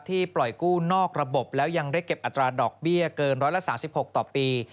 ปล่อยกู้นอกระบบแล้วยังได้เก็บอัตราดอกเบี้ยเกิน๑๓๖ต่อปี